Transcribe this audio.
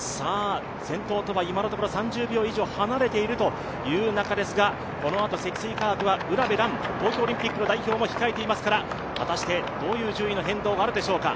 先頭とは今のところ３０秒以上離れているという中ですがこのあと積水化学は卜部蘭、東京オリンピックの代表も控えていますから、果たして、どういう順位の変動があるでしょうか。